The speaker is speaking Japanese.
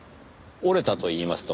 折れたといいますと？